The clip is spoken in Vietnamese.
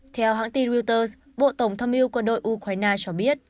theo hãng tin reuters bộ tổng thâm yêu quân đội ukraine cho biết